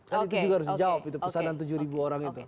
kan itu juga harus dijawab itu pesanan tujuh ribu orang itu